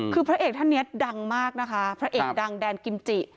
คือพระเอกท่านนี้ดังมากนะคะพระเอกดังแดนกิมจิ